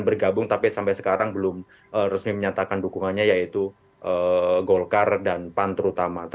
bergabung tapi sampai sekarang belum resmi menyatakan dukungannya yaitu golkar dan pan terutama